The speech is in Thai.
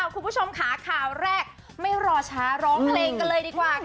คุณผู้ชมค่ะข่าวแรกไม่รอช้าร้องเพลงกันเลยดีกว่าค่ะ